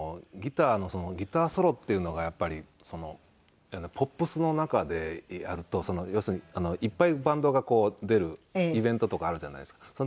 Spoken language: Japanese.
ギターのギターソロっていうのがやっぱりポップスの中でやると要するにいっぱいバンドが出るイベントとかあるじゃないですか。